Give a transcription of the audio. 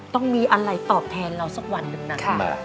ต้องมีอะไรตอบแทนเราสักวันหนึ่งนะ